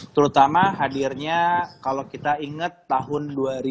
terutama hadirnya kalau kita ingat tahun dua ribu dua